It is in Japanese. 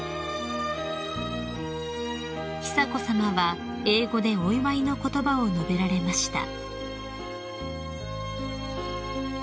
［久子さまは英語でお祝いの言葉を述べられました］